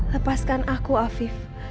lepaskan aku afif